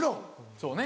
そうね。